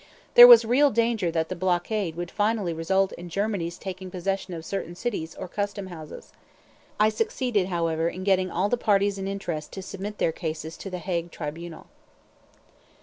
There was real danger that the blockade would finally result in Germany's taking possession of certain cities or custom houses. I succeeded, however, in getting all the parties in interest to submit their cases to the Hague Tribunal.